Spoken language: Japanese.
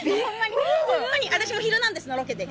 私も『ヒルナンデス！』のロケで。